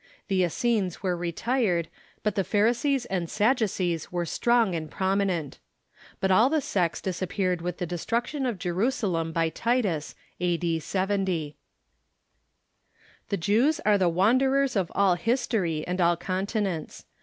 The Essenes were retired, but the Pharisees and Sadducees were strong and prominent. But all the sects disappeared with the destruction of Jerusalem by Titus, a.d. 70. The Jews are the wanderers of all history and all conti nents.